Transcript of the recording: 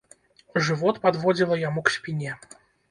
Жывот падводзіла яму к спіне.